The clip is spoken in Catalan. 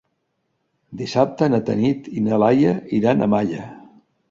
Dissabte na Tanit i na Laia iran a Malla.